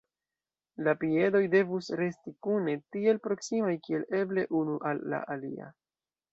La piedoj devus resti kune, tiel proksimaj kiel eble unu al la alia.